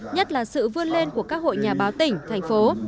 nhất là sự vươn lên của các hội nhà báo tỉnh thành phố